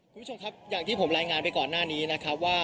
คุณผู้ชมครับอย่างที่ผมรายงานไปก่อนหน้านี้นะครับว่า